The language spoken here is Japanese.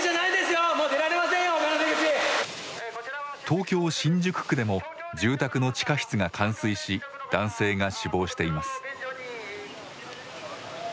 東京・新宿区でも住宅の地下室が冠水し男性が死亡しています。